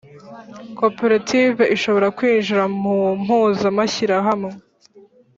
Koperative ishobora kwinjira mu mpuzamashyirahamwe